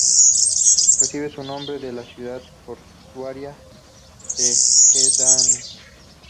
Recibe su nombre de la ciudad portuaria de Gdansk.